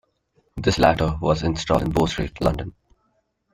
This latter was installed in Bow Street, London.